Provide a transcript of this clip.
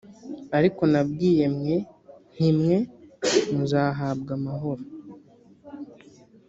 ariko nabwiye mwe nti ni mwe muzahabwa amahoro